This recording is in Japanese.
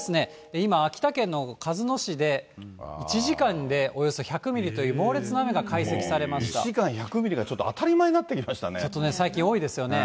今、秋田県の鹿角市で１時間でおよそ１００ミリという猛烈な雨が解析１時間に１００ミリがちょっちょっとね、最近多いですよね。